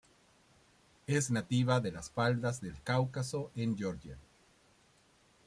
Es nativa de las faldas del Cáucaso en Georgia.